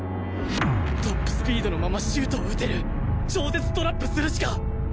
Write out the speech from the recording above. トップスピードのままシュートを撃てる超絶トラップするしか